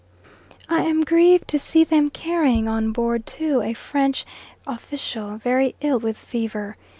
I am grieved to see them carrying on board, too, a French official very ill with fever.